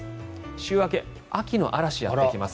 週明け、秋の嵐がやってきます。